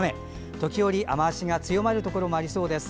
時折、雨足が強まるところもありそうです。